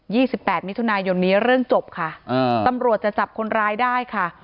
ี่สิบแปดมิถุนายนนี้เรื่องจบค่ะอ่าตำรวจจะจับคนร้ายได้ค่ะ